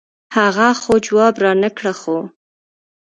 هغه خو جواب رانۀ کړۀ خو